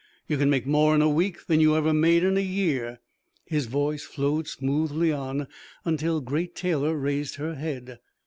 You can make more in a week than you ever made in a year...." His voice flowed smoothly on until Great Taylor raised her head.